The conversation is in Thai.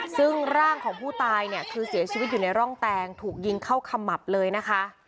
ซึ่งร่างของผู้ตายเนี่ยคือเสียชีวิตอยู่ในร่องแตงถูกยิงเข้าขมับเลยนะคะ